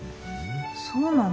そうなの？